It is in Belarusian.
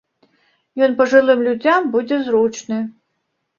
Ён пажылым людзям будзе зручны.